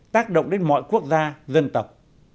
tác động đến mọi quốc gia dân tập